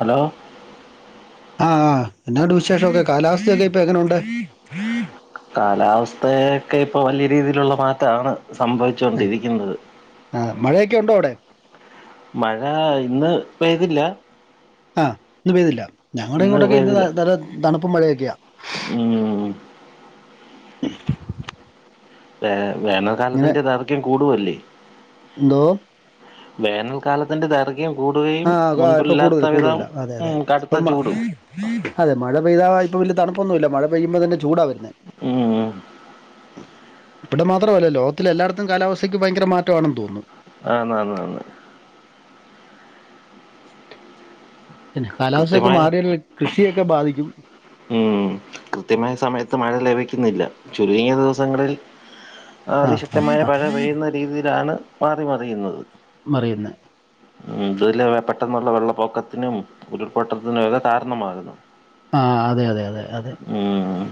Hello ആ എന്നാഉണ്ട് വിശേഷോക്കെ കാലാവസ്ഥയൊക്കെ ഇപ്പൊ എങ്ങനെയുണ്ട്? [inaudible] കാലാവസ്ഥയൊക്കെ ഇപ്പൊ വലിയ രീതിയിലുള്ള മാറ്റമാണ് സംഭവിച്ചു ഏ, കൊണ്ടിരിക്കുന്നത്. ആ മഴയൊക്കെ ഉണ്ടോ അവിടെ? മഴ ഇന്ന് പെയ്തില്ലാ ആ ഇന്ന് പെയ്തില്ല ഞങ്ങളുടെ ഇങ്ങോട്ടൊക്കെ ഇന്ന് നല്ല തണുപ്പും മഴയൊക്കെയാ ഉം വേ വേനൽ ഇങ്ങനെ കാലത്തിന്റെ ദൈർക്ക്യം കൂടുവല്ലേ എന്തോ വേനൽക്കാലത്തിന്റെ ദൈർഘ്യം ആ കൂടുകയും ആ, ഇപ്പൊ കൂടുതൽ മുൻപില്ലാത്ത വിധം കൂടുതലാ അതെ ഉം അതെ ഇപ്പം കടുത്ത മ- ചൂടും അതെ മഴ പെയ്താ ഇപ്പൊ വലിയ തണുപ്പൊന്നുമില്ല മഴ പെയ്യുമ്പോ തന്നെ ചൂടാ വരുന്നേ ഉം, ഇവിടെ മാത്രല്ല ലോകത്തില എല്ലായിടത്തും കാലാവസ്ഥയ്ക്ക് ഭയങ്കര മാറ്റമാണ് തോന്നുന്നു ആന്ന് ആന്ന് ആന്ന് കാലാവസ്ഥയൊക്കെ കൃത്യമായ മാറിയ കൃഷിയൊക്കെ ബാധിക്കും ഉം കൃത്യമായ സമയത്ത് മഴ ലഭിക്കുന്നില്ല ചുരുങ്ങിയ ദിവസങ്ങളിൽ ആ ആ അതിശക്തമായ ആ മഴ പെയ്യുന്ന രീതിയിലാണ് മാറി മറിയുന്നത് മറിയ്ന്ന ഉം അതുവല്ല പെട്ടെന്നുള്ള വെള്ളപ്പൊക്കത്തിനും ഉരുൾപൊട്ടത്തിനും ഒക്കെ കാരണമാകുന്നു ആ അതെയതെ അതെ അതെ ഉം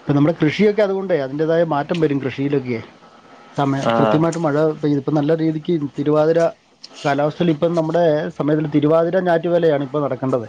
ഇപ്പ നമ്മളെ കൃഷിയൊക്കെ അതുകൊണ്ട് അതിന്റതായ മാറ്റം വരും കൃഷിയിലൊക്കെ തമേ ആഹ് കൃത്യമായിട്ട് മഴ പെയ്തു ഇപ്പ നല്ല രീതിക്ക് തിരുവാതിര കാലാവസ്ഥയിൽ ഇപ്പം നമ്മുടെ സമയത്‌ തിരുവാതിര ഞാറ്റുവലയാണ് ഇപ്പൊ നടക്കേണ്ടത്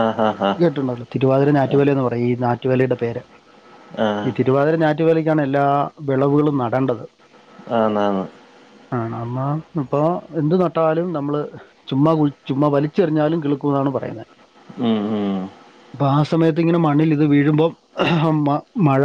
ആഹ് ആഹ് ആഹ് കേട്ടിട്ടുണ്ടാവൂലോ തിരുവാതിര ഞാറ്റുവല്ല് എന്ന് പറയും ഈ ഞാറ്റുവല്ലയുടെ പേര് ആ ഈ തിരുവാതിര ഞാറ്റുവേലയ്ക്കാണ് എല്ലാ വിളവുകളും നടേണ്ടത് ആന്ന് ആന്ന് ആ അമ്മ ഇപ്പൊ എന്ത് നട്ടാലും നമ്മള് ചുമ്മാ കുഴി ചുമ്മ വലിച്ചെറിഞ്ഞാലും കിളിക്കുന്നാണ് പറയുന്നെ ഉം ഉം അപ്പാ ആ സമയത്ത് ഇങ്ങനെ മണ്ണിൽ ഇത് വീഴുമ്പം മ മഴ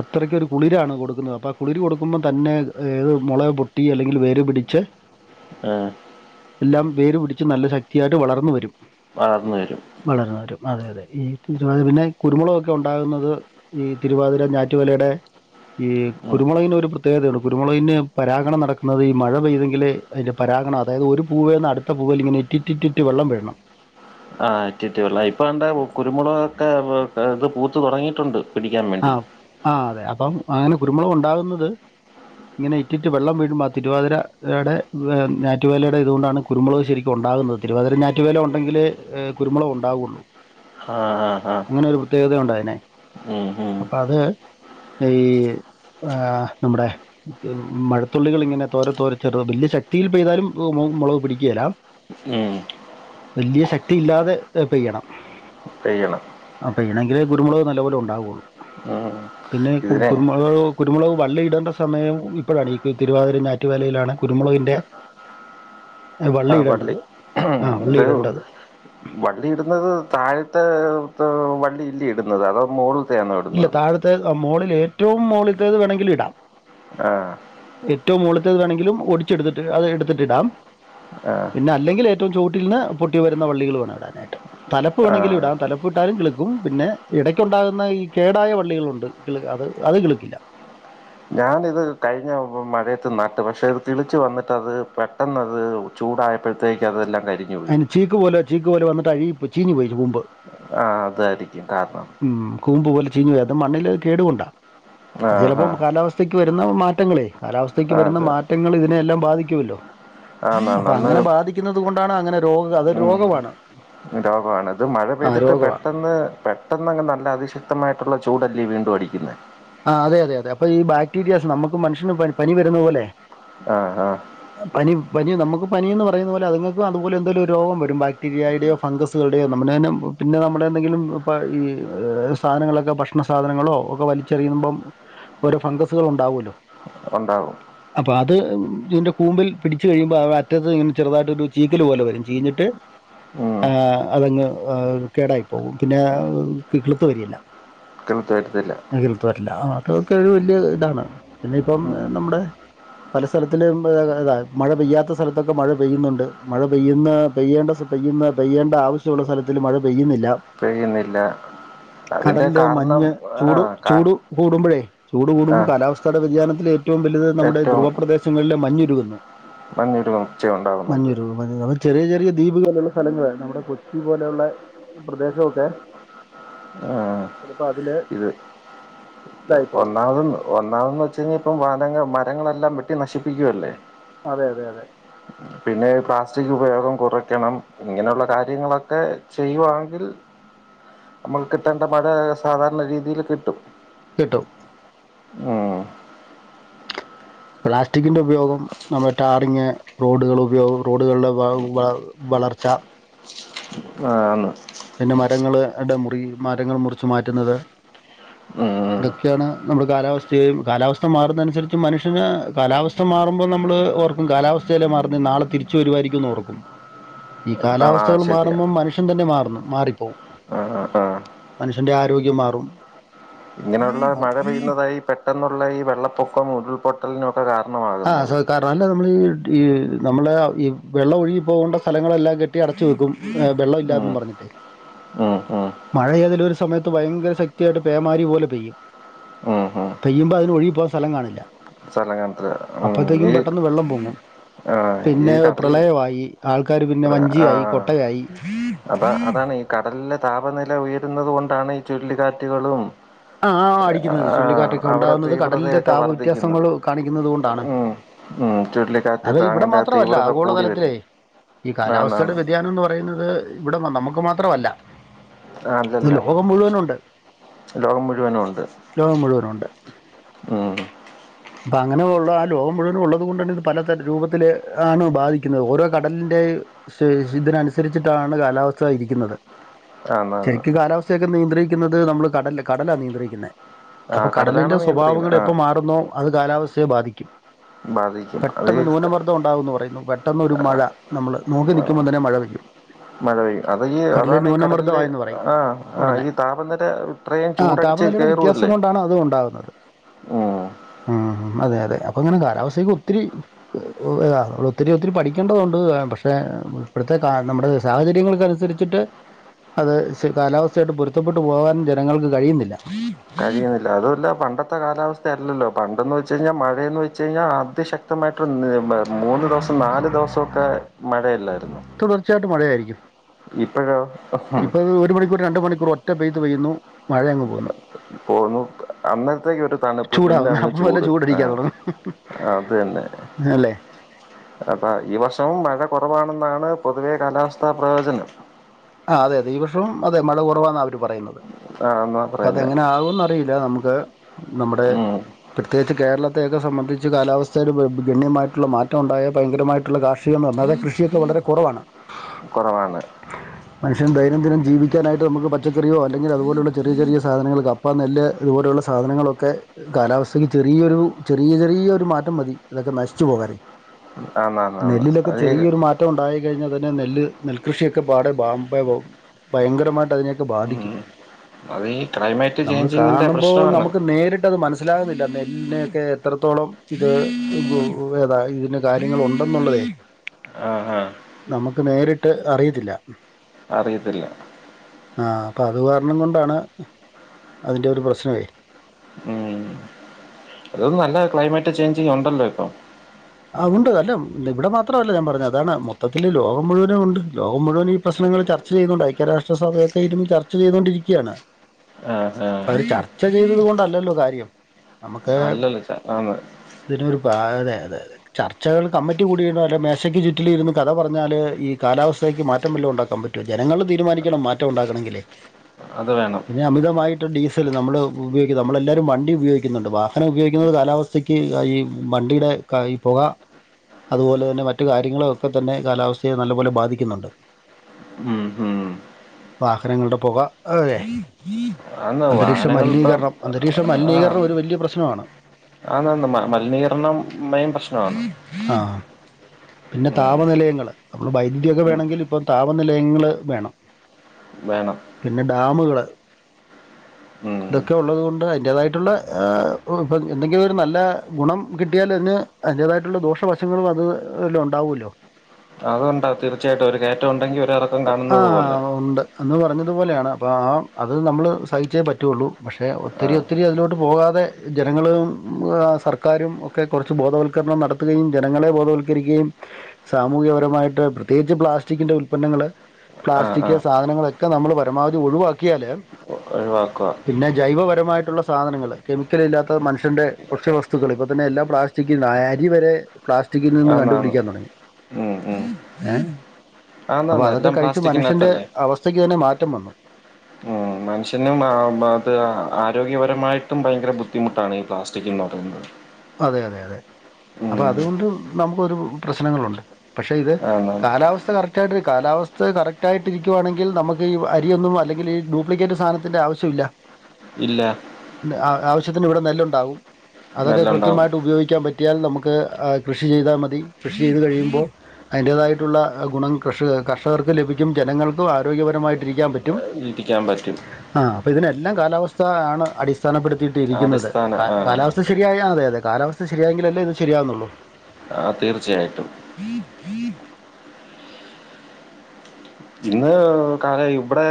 അത്രയ്ക്കൊരു കുളിരാണ് കൊടുക്കുന്നത് അപ്പം ആ കുളിര് കൊടുക്കുമ്പം തന്നെ ഏത് മുള പൊട്ടി അല്ലെങ്കിൽ വേര് പിടിച്ച് [unintelligible] ആ എല്ലാം വേര്പിടിച്ച് നല്ല ശക്തിയായിട്ട് വളർന്ന് വരും വളർന്ന് വരും വളർന്ന് വരും അതെയതെ ഈ രുവാ പിന്നെ കുരുമുളകുക്കെ ഉണ്ടാകുന്നത് ഈ തിരുവാതിര ഞാറ്റുവേലയുടെ ഈ ഉം കുരുമുളകിന് ഒരു പ്ര പ്രത്യേകതയാണ് കുരുമുളകിന് പരാഗണം നടക്കുന്നത് ഈ മഴ പെയ്തെങ്കിലേ അതിന്റെ പരാഗണം അതായത് ഒരു പൂവേന്ന് അടുത്ത പൂവേൽ ഇങ്ങനെ ഇറ്റിറ്റിട്ടു വെള്ളം വിഴ്ണം ആ ഇറ്റിറ്റു വെള്ളം ഇപ്പൊ എന്റെ കുരുമുളകൊക്കെ ഇത് പൂത്ത് തുടങ്ങിട്ടുണ്ട് ആ ആ അതെ അപ്പം അങ്ങനെ കുരുമുളകുണ്ടാകുന്നത് ഇങ്ങനെ ഇറ്റിറ്റു വെള്ളം വീഴുമ്പോ ആ തിരുവാതിരയുടെ ഞറ്റുവേലയുടെ രൂണാണ് കുരുമുളക് ശരിക്കും ഉണ്ടാകുന്നത് തിരുവാതിര ഞാറ്റുവേല ഉണ്ടെങ്കിലേ കുരുമുളക് ഉണ്ടാവുള്ളൂ ആ ആ ആ അങ്ങനൊരു പ്രത്യേകതയുണ്ടതിന് ഉം അപ്പൊ അത് ഈ അ നമ്മുടെ മഴത്തുള്ളികൾ ഇങ്ങനെ തോര തോരെ ചെറുത് ബല്യ ശക്തിയിൽ പെയ്താലും ഉം മുളക് പിടിക്കേല്ല ഉം വല്ല്യ ശക്തി ഇല്ലാതെ പെയ്യണം പെയ്യണം അപേയ്ണങ്കിലെ ഗുരുമുള നല്ലപോലെ ഉണ്ടാവുള്ളൂ ഉം പിന്നെ ഇതിനെ കുരുമുളക് കുരുമുളക് വള്ളി ഇടേണ്ട സമയം ഇപ്പഴാണ് ഈ തിരുവാതിര ഞ റ്റ വലയിലാണ് കുരുമുളകന്റെ ആഹ് വള്ളിയിടേണ്ടത് വള്ളി ആ ഇത് വള്ളിയിടേണ്ടത് വള്ളി ഇടുന്നത് താഴത്തെ വള്ളി ഇല്ല ഇടുന്നത് അതോ മോൾ ഇല്ല താഴത്തെ മോളിൽ ഏറ്റവും മോളിലത്തേത് വേണമെങ്കിൽ ഇടാം ആഹ് ഏറ്റവും മൂളത്തേത് വേണമെങ്കിലും ഒടിച്ചടുത്തിട്ട് അത് എടുത്തിട്ട്ടാം. ആഹ് പിന്നെ അല്ലെങ്കിൽ ഏറ്റവും ചൂട്ടിൽ നിന്ന് പൊട്ട വരുന്ന വള്ളികൾ വേണം ഇവിടാനായിട്ട്. തലപ്പ് വേണമെങ്കിലും ആഹ് ഇടാം തലപ്പ് ഇട്ടാലും കിൾക്കും പിന്നെ ഇടയ്ക്ക് ഉണ്ടാകുന്ന ഈ കേടായ വള്ളികളുണ്ട് കി അത് അത് കിളിക്കില്ല ഞാനിത് കഴിഞ്ഞ മഴയത്ത് നാട്ട് പക്ഷെ ഇത് തതിളിച്ചു വന്നിട്ട് അത് പ പത് ചൂടായപ്പോഴത്തേക്ക് അതെല്ലാം കരഞ്ഞു അതിന് ചീക്ക് പോലെ ചീക്ക് പോലെ വന്നി് അഴി ചീനി പോയി തുമ്പ് ആ അതായിരിക്കും കാരണം. കൂമ്പ് പോലെ ചിഞ്ഞ് പോയി മണ്ണിൽ കേടു കൊണ്ടാണ് അത് ആഹ് ചിലപ്പം ആഹ് കാലാവസ്ഥ. ക്ക് വരുന്ന മാറ്റങ്ങളെ കാലാവസ്ഥക്ക് ആഹ് വരുന്ന അത് മാറ്റങ്ങൾ ഇതിനെല്ലാം ബാധിക്കുമല്ലോ? ആന്ന് അപ്പൊ ആന്ന് അന്ന് അങ്ങനെ ബാധിക്കുന്നത് കൊണ്ടാണ് അങ്ങനെ രോഗ അതൊ രോഗമാണ്. രോഗണ് ഇത് മഴ ആ പെയ്തിട്ട് രോഗമാണ് പെട്ടെന്ന് പെട്ടെന്ന്ങ്ങ് നല്ല അതിശക്തമായിട്ടുള്ള ചൂടല്ലേ വീണ്ടും അടിക്കുന്നത്. ആ അതെ അതെ അതെ അപ്പ ഈ ബാക്ടീരിയസ് നമക്ക് മനുഷ്യന് പനി വരുന്ന പോലെ ആഹ് ആഹ് പനി പനി നമക്ക് പനി എന്ന് പറയുന്ന പോലെ അതുങ്ങൾക്ക് അതുപോലെന്തെലിലും രോഗം വരും ബാക്ടീരിയയുടെയോ ഫംഗസുകളുടെയോ നമ്മു തെ പിന്നെ നമ്മുടെ എന്തെങ്കിലും ഇപ്പൾ ഈ സാധനങ്ങളൊക്കെ ഭക്ഷണ സാധനങ്ങളോ ഒക്കെ വലിച്ച ചെറിയുമ്പം ഓരോ ഫംഗസുകൾ ഉണ്ടാവുമല്ലോ ഉണ്ടാവും അപ്പൊ അത് ഇതിന്റെ കൂമ്പിൽ പിടിച്ചച്ച് കഴിയുമ്പോ അടെ അറ്റത് ഇങ്ങെ ചെറുതായിട്ടൊരു ചീക്കല് പോലെരും ചീഞ്ഞിട്ട് ഉം അതങ്ങ് കേടായി പോകും പിന്നെ ക കിളുത്ത് വരിയില്ല. ഉക്ക ത വരത്തില്ല നകൃത്ത് വരില്ല ആത്രകൊ ഒരു വലിയ ഇതാണ് പിന്നെ ഇപ്പം ഉം നമ്മുടെ പല സ്ഥലത്തിലുംത മഴ പെയ്യാത്ത സ്ഥലത്തൊക്കെ മഴ പെയ്യുന്നുണ്ട് മഴ പെയ്യുന്ന പെയ്യേണ്ട. പെയ്യുന്ന പെയ്യേണ്ട ആവശ്യമുള്ള സ്ഥലത്തിൽ മഴ പെയ്യുന്നില്ല. പെയ്യുന്നില്ല അതിന്റെ കടല് കാരണം മഞ്ഞ് ചൂട് ആഹ് കാ ചൂട് കൂടുമ്പോഴേ ചൂട് കൂടുമ്പോ ആഹ് കാലാവസ്ഥയുടെ വ്യതിയാനത്തിൽ ഏറ്റവും വലുത് നമ്മുടെ ധ്രുവപ്രദേശം നല്ല മഞ്ഞുരുകുന്നു മഞ്ഞൊരുച്ചയ ഉണ്ടാകുന്നുണ്ട് നമ്മ ചെറിയ ചെറിയ ദ്വീപുകളുള്ള സ്ഥലങ്ങള നമ്മുടെ കൊച്ചി പോലെയുള്ള പ്രദേശമൊക്കെ ചിലപ്പോ അതില് ഒന്നാമതന്ന് ഒന്നാമെന്ന് വെച്ച് കഴിഞ്ഞാൽ ഇപ്പം [unintelligible] ങ്ങൾ മരങ്ങളെല്ലാം വെട്ടി നശിപ്പിക്കുവല്ലേ അതെ അതെ അതെ പിന്നെ പ്ലാസ്റ്റിക് ഉപയോഗം കുറയ്ക്കണം ഇങ്ങനെയുള്ള കാര്യങ്ങളൊക്കെ ചെയ്യവാണെങ്കിൽ നമുക്ക് കിട്ടേണ്ട മഴ സാധാരണ രീതിയിൽ കിട്ടും കിട്ടും ഉം പ്ലാസ്റ്റിക്കിന്റെ ഉപയോഗം നമ്മള ടാറിങ്ങ് റോഡുകൾ ഉപയോഗം റോഡുകളുടെ [unintelligible] വളർച്ച ആഹ ആന്ന് പിന്നെ മരങ്ങള് ഇടെ മുറി മരങ്ങൾ മുറിച്ചു മാറ്റുന്നത് ഉം ഉം ഇതൊക്കെയാണ് നമ്മുടെ കാലാവസ്ഥയും കാലാവസ്ഥ മാറുന്ന അനുസരിച്ച് മനുഷ്യന് കാലാവസ്ഥ മാറുമ്പോ നമ്മള് ഓർക്കും കാലാവസ്ഥയല്ലെ മാറന്ന് നാളെ തിരിച്ചു വരുമായിരിക്കുന്ന് ഓർക്കും ഈ അതാണ് ആ കാലാവസ്ഥകൾ ശരിയാ മാറുമ്പം മനുഷ്യൻ തന്നെ മാറുന്നു മാറിപ്പോവും ആ ആ മനുഷ്യൻ്റെ ആരോഗ്യം മാറും ഇങ്ങനെയുള്ള മഴ പെയ്യുന്നതായി പെട്ടെന്നുള്ള ഈ വെള്ളപ്പൊക്കം ഉരുൾപൊട്ടലിനുമൊക്കെ ആ കാരണമാകുന്നത് കാരണം അല്ല നമ്മൾ ഈ ഈ നമ്മള ഈ വെള്ളം ഒഴുകി പോകേണ്ട സ്ഥലങ്ങളെല്ലാം കെ ട്ടി അടച്ചു വെക്കും വെള്ളം ഉം ഇല്ലാതെന്ന് പറഞ്ഞിട്ടേ ഉം ഉം മഴയെതലും ഒരു സമയത്ത് ഭയങ്കര ശക്തിയായിട്ട് പേമാരി പോലെ പെയ്യും ഉം ഉം പെയ്യുമ്പൊ അതിന് ഒഴികി പോകാൻ സ്ഥലം കാണില്ല സ്ഥലം കാണത്തില്ല അപ്പത്തേക്കും പെട്ടെന്ന് വെള്ളം പൊങ്ങും ആഹ് ഈ പിന്നെ കടൽ പ്രളയമായി ആൾക്കാര് പിന്നെ പ്ര വഞ്ചിയായി ആഹ് കൊട്ടയായി അതാ അതാണ് ഈ കടലിലെ താപനില ഉയരുന്നത് കൊണ്ടാണ് ഈ ചുഴലിക്കാറ്റുകളും ആ അടിക്കുന്നത് ആ ചുഴലിക്കാറ്റൊക്കെ അവിടെ ഉണ്ടാകുന്നത് കടലിന്റെ തീവ്രതയൊക്കെ താപ വ്യത്യാസങ്ങൾ വർധിക്കുന്നത് കാണിക്കുന്നത് കൊണ്ടാണ് ഉം ഉം ചുഴലിക്കാറ്റ് [unintelligible] മാത്രല്ല കൂടി ആഗോളതലത്തിലേ വരുന്നു ഈ കാലാവസ്ഥയുടെ ആന്നാന്ന് വ്യതിയാനം എന്ന് പറയുന്നത് ഇവിടെ നമുക്ക് മാത്രമല്ല ആ ഇത് അതല്ല ലോകം മുഴുവനുണ്ട് ലോകം മുഴുവനുണ്ട് ലോകം മുഴുവനും ഉണ്ട് ഉം അപ്പൊ അങ്ങനെ ഉള്ള ആ ലോകം മുഴുവനും ഉള്ളത് കൊണ്ടാണ് ഇത് പലത രൂപത്തില് ആണ് ബാധിക്കുന്നത് ഓരോ കടലിന്റെ ശേ [unintelligible] ഇതിനനുസരിച്ചിട്ടാണ് കാലാവസ്ഥ ഇരിക്കുന്നത് ആന്നാന്ന് ശരിക്കും കാലാവസ്ഥയൊക്കെ നിയന്ത്രിക്കുന്നത് നമ്മള് കടല കടലാ നിയന്ത്രിക്കുന്നത് അപ്പൊ ആഹ് കടലാണ് കടലിന്റെ സ്വഭാവങ്ങൾ നിയന്ത്രിക്കുന്നത് എപ്പ ആഹ് മാറുന്നോ അത് കാലാവസ്ഥയെ ബാധിക്കും ബാധിക്കും പെട്ടെന്ന് അത് ന്യൂനമർദ്ദം ഉണ്ടാവന്ന് പറയുന്നു പെ ട്ടന്നൊരു ഒരു മഴ നമ്മൾ നോക്കി നിൽക്കുമ്പോൾ തന്നെ മഴ പെയ്യും മഴ പെയ്യും അത ഈ കടലിൽ അതാണ് ഈ കടലിലെ ന്യൂനമർദ്ദമായെന്ന് പറയും ആ ആ ഉടനെ ഈ താപനില ഇത്രയും ആ ചൂടടിച്ച് താപനിലയുടെ വ്യത്യാസം കയറുവല്ലേ കൊണ്ടാണ് ഉ അതെ അതെ അപ്പൊ ഇങ്ങനെ കാലാവസ്ഥ ഇത്തിരി അ ഒത്തിരി ഒത്തിരി പഠിക്കേണ്ടതുണ്ട് പക്ഷേ ഇപ്പോഴത്തെ കാ നമ്മുടെ സാഹചര്യങ്ങൾക്ക് അനുസരിച്ച് ട്ട് അത് കാലാവസ്ഥയായിട്ട് പൊരുത്തപ്പെട്ട് പോകാൻ ജനങ്ങൾക്ക് കഴിയുന്നില്ല [unintelligible] അതല്ല പണ്ടത്തെ കാലസ്ഥയല്ലോ പണ്ടെന്ന് വെച്ച് കഴിഞ്ഞാൽ മഴയെന്ന് വെച്ച് കഴിഞ്ഞാൽ അതി ശക്ത കൃത്യമായിട്ടരു മൂന്ന് ദിവസം നാല് ദിവസമൊക്കെ മഴയല്ലായിരുന്നൊ? തുടർച്ചയായിട്ട് മഴയായിരിക്കും. ഉം, ഇപ്പൊ ഒരു മണിക്കൂർ രണ്ട് മണിക്കൂർ ഒറ്റ പെയ്ത് പെയ്യുന്നു മഴയങ്ങ് പോവുന്നു. അന്നേരത്തേക്ക് ഒര് തണുപ്പ് പിന്നെ ചൂടാവും അങ്ങ് അപ്പം വല്ല ചൂട് ചൂടടിക്കാൻ ആഹ് തുടങ്ങും അത് തന്നെ. അല്ലേ അപ്പ ഈ വർഷവും മഴ കുറവാണെന്നാണ് പൊതുവേ കാലാവസ്ഥാ പ്രവചനം. ആഹ് അതെ അതെ ഈ വർഷവും അതെ മഴ കുറവാന്നാ അവര് പറയുന്നത്. ആ എന്നാ അപ്പൊ പറയുന്നെ അതെങ്ങനാകുംന്ന റിയില്ല നമുക്ക് നമ്മുടെ ഉം പ്രത്യേകിച്ച് കേരളത്തെയൊക്കെ സംബന്ധിച്ച് കാലാവസ്ഥയിൽ ഗണ്യമായിട്ടുള്ള മാറ്റം ഉണ്ടായ ഭയങ്കരമായിട്ടുള്ള കാ ഷികം ന്ന് പർഞ്ഞ അതെ കൃഷിയൊക്കെ വളരെ കുറവാണ്. കൊറവാണ്. മനുഷ്യന് ദൈനംദിനം ജീവിക്കാനായിട്ട് നമുക്ക് പച്ചക്കറിയോ അല്ലെങ്കിൽ അതു പോലുള്ള ചെറിയ ചെറിയ സാധനങ്ങള് കാ ഇപ്പൊം നെല്ല് ഇതു പോലെയുള്ള സാധനങ്ങളൊക്കെ കാലാവസ്ഥക്ക് ചെറിയൊരു ചെറിയ ചെറിയൊരു മാറ്റം മതി ഇതൊക്കെ നശിച്ചു പോവാന്. ആന്ന് ആന്ന് ആന്ന് നെല്ലിലൊക്കെ അത് ചെറിയൊരു മാറ്റം ഉണ്ടായി കഴിഞ്ഞാ തന്നെ നെല്ല് നെൽകൃഷിയൊക്കെ പാടെ ഭാഗം ബയ്ബൊവും. ഭയങ്കരമായിട്ട് അതിനെയൊക്കെ ഉം ബാധിക്കും. അത് ഈ ക്ലൈമറ്റ് നമ്മൾ ചേഞ്ചിങ്ങിന്റെ കാണുമ്പോ പ്രശ്നമാണ് നമുക്ക് നേരിട്ടത് മനസ് സ്സിലാക്ന്നില്ല നെല്ല്നെ ഒക്കെ എത്രത്തോളം ഇത് പുംഏതാ ഇതിന് കാര്യങ്ങള് ഉണ്ടെന്നുള്ളതേ. ആഹ് ആഹ് നമുക്ക് നേരിട്ട് അറിയിത്തില്ല. അറിയത്തില്ല. ആഹ് അപ്പതുകാരണം കൊണ്ടാണ് അതിൻ്റെ ഒരു പ്രശ്നവേ. അതൊന്നും അല്ല ക്ലൈമറ്റ് ചേഞ്ചിങ് ഉണ്ടല്ലോ ഇപ്പം. ആഹ് ഉണ്ട്. അല്ല ഇവിടെ മാത്രവല്ല ഞാൻ പറഞ് അതാണ് മൊത്തത്തിൽ ലോകം മുഴുവനും ഉണ്ട് ലോകം മുഴുവനും ഈ പ്രശ്നങ്ങള് ചർ ച്ച ചെയ്യുന്നുണ്ട്. ഐക്യരാഷ്ട്രസഭയൊക്കെ ഇര്ന്ന് ചർച്ച ചെയ്തോണ്ടിരിക്ക്യാണ്. ആഹ് ആഹ് അവര് ചർച്ച ചെയ്തത് കൊണ്ടല്ലല്ലോ കാര്യം. നമക്ക് അല്ലല്ല ച ആന്ന് ഇതിനൊരു പാ അതെ അതെയതെ. ചർച്ചകൾ കമ്മിറ്റി കൂടിയിടോ മേശയ്ക്ക് ചുറ്റിലിര്ന്ന് കഥ പറഞ്ഞാല് ഈ കാലാവസ്ഥയ്ക്ക് മാറ്റം വല്ലോം ഉണ്ടാക്കാംമ്പ റ്റൊ. ജനങ്ങള് തീരുമാനിക്കണം മാറ്റം ഉണ്ടാകണങ്കിലേ. അത് വേണം. പിന്നെ അമിതമായിട്ട് ഡീസല് നമ്മള് ഉപയോഗിക്ക്യ നമ്മളെല്ലാരും വണ്ടി ഉപയോഗിക്ക്ന്ന്ണ്ട്. വാഹനം ഉപയോഗിക്കുന്നത് കാലാവസ് ഉച്ചക്ക് ഈ വണ്ടീടെ കൈ പൊക അതുപോലെ തന്നെ മറ്റു കാര്യങ്ങളെ ഒക്കെ തന്നെ കാലാവസ്ഥയെ നല്ലപോലെ ബാധിക്കുന്നുണ്ട്. ഉം ഉം വാഹനങ്ങൾടെ പൊക അതെ. ആന്ന് അന്തരീക്ഷ വാഹനങ്ങൾ ഇപ്പം മല്നീകരണം അന്തരീക്ഷ മല്നീകരണം ഒരു വെല്യ പ്രശ്നവാണ്. ആന്ന് ആന്ന് മല്നീകരണം മെയ്ൻ പ്രശ്നവാണ്. ആഹ് പിന്നെ താപനിലയങ്ങള്. അപ്പൊ വൈദ്യുതിയൊക്കെ ഉം വേണങ്കിൽ ഇപ്പം താപനിലയങ്ങള് വേണം. വേണം. പിന്നെ ഡാമ്കള് ഉം ഇതൊക്കെ ഉള്ളതുകൊണ്ട് അതിന്റേതായ്ട്ട്ള്ള ആ ഒ ഇപം എന്തെങ്കിലും ഒരു നല്ല ഗുണം കിട്ടിയാല് അതിന് അയിന്റേതായ്ട്ട്ള്ള ദോഷവശങ്ങളും അത് എല്ലോം ഉണ്ടാവൂല്ലോ. അതു ഉണ്ട്. തീർച്ചയായ്ട്ടും ഒരു കേറ്റ ഉണ്ടെങ്കി ഒരെറക്കം കാണുന്നത് പോലെ. അന്ന് പറഞ്ഞത് പോലെയാണ് അപ്പോ ആം അത് നമ്മള് സഹിച്ചേ പറ്റാെള്ളൂ. പക്ഷെ ഒത്തിരി ആഹ് ഒത്തിരി അതിലോട്ട് പോകാതെ ജനങ്ങള് ഉം അ സർക്കാരും ഒക്കെ കാെറച്ച് ബോധവൽ ക്കരണം നടത്ത്കയും ജനങ്ങളെ ബോധവൽക്കരിക്കേം സാമൂഹ്യപരമായിട്ട് പ്രത്യേകിച്ച് പ്ലാസ്റ്റിക്കിന്റെ ഉൽപന്നങ്ങള് ആഹ് പ്ലാസ്റ്റിക് ആഹ് സാധനങ്ങളെ ക്കെ നമ്മള് പരമാവധി ഒഴിവാക്കിയാല് ഒഴിവാക്കാ പിന്നെ ജൈവപരമായിട്ടുള്ള സാധനങ്ങള് കെമിക്കലില്ലാത്ത മനുഷ്യന്റെ ഭക്ഷ്യവസ്തുക്കള് ഇപ്പ തന്നെ എല്ലാ പ്ലാസ്റ്റി ക്കീന്നാ. അരിവരെ പ്ലാസ്റ്റിക്കി നിന്ന് ആന്നാന്ന് കണ്ടുപിടിക്കാൻ തുടങ്ങി. ഉം ഉം ഏഹ് ആന്നാന്ന് അപ്പൊതൊക്കെ എല്ലാം കഴിച്ചു മനുഷ്യന്റെ പ്ലാസ്റ്റിക്കിനകത്തല്ലേ അവസ്ഥയ്ക്കുതന്നെ മാറ്റം വന്നു ഉം മനുഷ്യനും മാ മറ്റ് ആരോഗ്യപരമായിട്ടും ഭയങ്കര ബുദ്ധിമുട്ടാണ് ഈ പ്ലാസ്റ്റിക്കെന്നുപറയുന്നത് അതെ അതെ അതെ അപ്പൊതുകൊണ്ടും നമുക്കൊരു പ്രശ്നങ്ങളുണ്ട് പക്ഷെ ഇത് ആന്നാന്ന് കാലാവസ് സ്ത കറക്റ്റായിട്ട് കാലാവസ്ഥ കറക്റ്റായിട്ടിരിക്കുവാണെിൽ നമ്മുക് ഈ അരിയൊന്നുംഅല്ലങ്കിൽ ഡ്യൂപ്ലിക്കേറ്റ് സാധനത്തിന്റെ ആവശ്യ ചുല്ല ഇല്ല പിന്നെ ആ ആവശ്യത്തിന് ഇവിടെ നെല്ലുണ്ടാവും അതൊക്കെ നല്ല കൃ ഉണ്ടാവും ഉപയോഗിക്കാൻ പറ്റിയാൽ നമുക്ക് ആ കൃഷി ചെയ്താ മതി കൃഷി ചെയ്തുകഴിയുമ്പോ അതിൻ്റേതായിട്ടുള്ള ഗുണം കർഷ കർഷകർക്ക് ലഭിക്കും ജനങ്ങൾക്കും ആരോഗ്യപരമായിട്ടിരിക്കാൻ പറ്റു ഇരിക്കാൻ പറ്റും അ അപ്പതിനെല്ലാം കാലാവസ്ഥ ആണ് അടിസ്ഥാനപ്പെടുത്തി യിരിക്കുന്നത് അടിസ്ഥാന ക ആ കാലാവസ്ഥ ശരിയായ അതെ അതെ കാലാവസ്ഥ ശരിയായെങ്കിലല്ലേ ഇത് ശരിയാകുന്നുള്ളൂ ആ തീർച്ചയായിട്ടും ഇന്ന് [unintelligible]